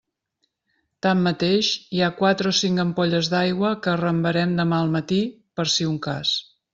Tanmateix, hi ha quatre o cinc ampolles d'aigua que arrambarem demà al matí, per si un cas.